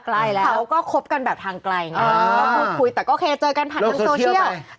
เขาก็คบกันแบบทางไกลไงก็พูดคุยแต่ก็เคยเจอกันผ่านทางโซเชียล